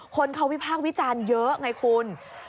คนเขาวิพากษ์วิจารณ์เยอะไงคุณ